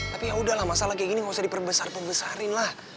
tapi ya udahlah masalah kayak gini nggak usah diperbesar perbesarin lah